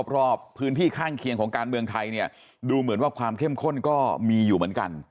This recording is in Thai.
รอบพื้นที่ข้างเคียงของการเมืองไทยเนี่ยดูเหมือนว่าความเข้มข้นก็มีอยู่เหมือนกัน